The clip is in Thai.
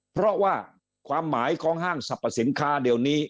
เพราะว่าความหมายของห้างสรรพสินค้าเดี๋ยวนี้